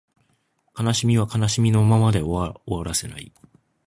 悲しみは悲しみのままでは終わらせない